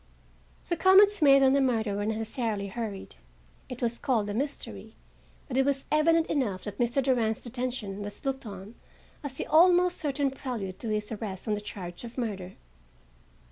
The comments made on the murder were necessarily hurried. It was called a mystery, but it was evident enough that Mr. Durand's detention was looked on as the almost certain prelude to his arrest on the charge of murder.